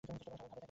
সবাই ঘাবড়ে থাকে।